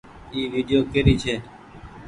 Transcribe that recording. اي ويڊيو ڪيري ڇي۔